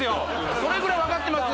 それぐらい分かってます